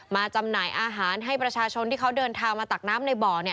จำหน่ายอาหารให้ประชาชนที่เขาเดินทางมาตักน้ำในบ่อ